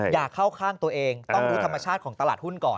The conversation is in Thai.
อย่าเข้าข้างตัวเองต้องรู้ธรรมชาติของตลาดหุ้นก่อน